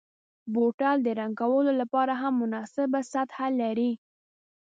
بوتل د رنګ کولو لپاره هم مناسبه سطحه لري.